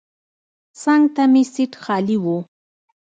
څنګ ته مې سیټ خالي و.